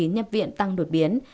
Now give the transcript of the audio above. nhập viện tăng đột biến